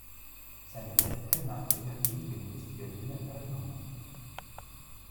Seine Werke nannte er demgemäß „Berliner Erinnerungen“.